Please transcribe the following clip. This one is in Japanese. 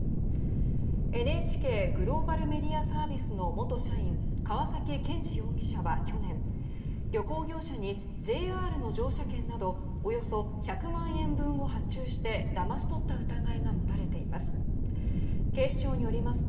ＮＨＫグローバルメディアサービスの元社員川崎健治容疑者は去年旅行業者に、ＪＲの乗車券などおよそ１００万円分を発注してだまし取った疑いが持たれています。